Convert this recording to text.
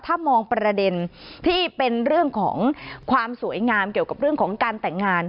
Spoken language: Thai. ถ้ามองประเด็นที่เป็นเรื่องของความสวยงามเกี่ยวกับเรื่องของการแต่งงาน